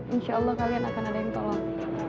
insya allah kalian akan ada yang tolong